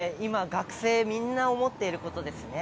これはね、今、学生みんな思っていることですね。